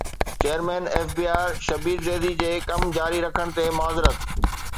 chairman F B R Shabbar Zaidi جي ڪم جاري رکڻ تي معذرت